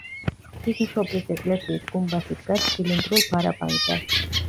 ღვთისმშობლის ეკლესიის გუმბათი დგას ცილინდრულ ბარაბანზე.